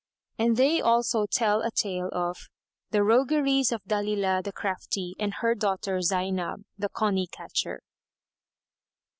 And they also tell a tale of THE ROGUERIES OF DALILAH THE CRAFTY AND HER DAUGHTER ZAYNAB THE CONEY CATCHER.